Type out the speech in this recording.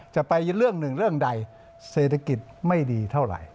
จะไปเรื่องหนึ่งเรื่องใดเศรษฐกิจไม่ดีเท่าไหร่